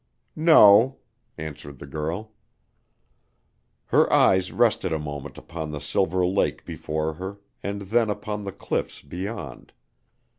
"No," answered the girl. Her eyes rested a moment upon the silver lake before her and then upon the cliffs beyond.